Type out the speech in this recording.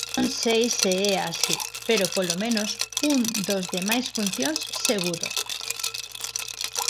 Non sei se é así, pero polo menos un dos de máis funcións, seguro.